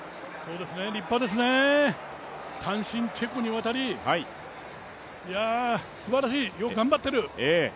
立派ですね、単身チェコに渡りすばらしい、よく頑張っている。